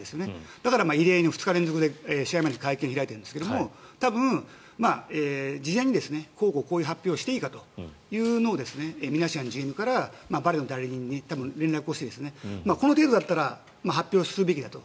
だから２日前に異例に会見を開いているんですが多分、事前にこういう発表をしていいかというのをミナシアンＧＭからバレロ代理人に連絡してこの程度だったら発表するべきだと。